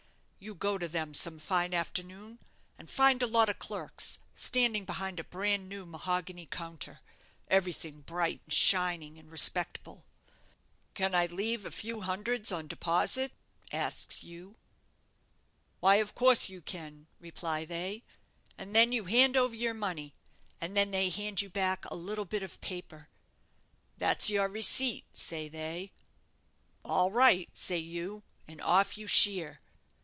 You go to them some fine afternoon, and find a lot of clerks standing behind a bran new mahogany counter, everything bright, and shining, and respectable. 'Can I leave a few hundreds on deposit?' asks you. 'Why, of course you can,' reply they; and then you hand over your money, and then they hand you back a little bit of paper. 'That's your receipt,' say they. 'All right,' say you; and off you sheer.